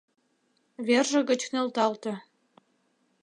Верже гыч нӧлталте.